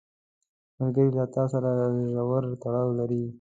ملګری له تا سره ژور تړاو لري